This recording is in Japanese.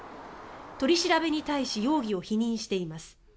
取り調べに対し容疑を否認しています。